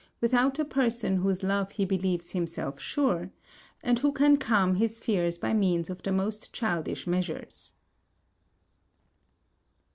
_, without a person of whose love he believes himself sure, and who can calm his fears by means of the most childish measures.